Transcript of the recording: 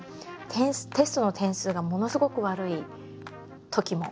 テストの点数がものすごく悪いときもあって。